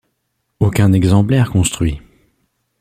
Aucun exemplaire construit.